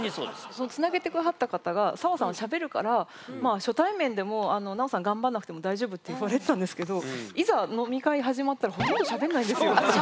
そのつなげて下さった方が澤さんはしゃべるからまあ初対面でも奈緒さん頑張んなくても大丈夫って言われてたんですけどいざ飲み会始まったらそうなんだ。